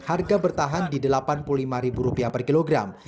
harga bertahan di delapan puluh lima ribu rupiah per kilogram